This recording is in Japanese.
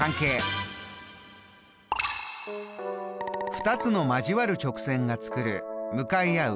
２つの交わる直線が作る向かい合う